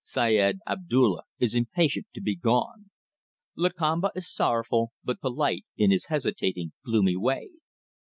Syed Abdulla is impatient to be gone. Lakamba is sorrowful but polite, in his hesitating, gloomy way.